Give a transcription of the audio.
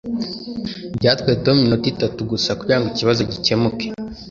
Byatwaye Tom iminota itatu gusa kugirango ikibazo gikemuke.